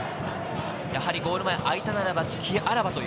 やはりゴール前空いたならば、隙あらばという。